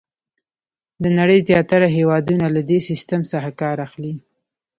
د نړۍ زیاتره هېوادونه له دې سیسټم څخه کار اخلي.